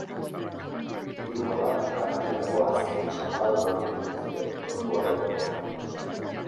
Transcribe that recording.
Hiru golak, partidako azken txanpan lortu dituzte portugaletekoek.